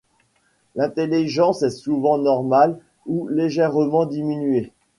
L'intelligence est souvent normale ou légèrement diminuée.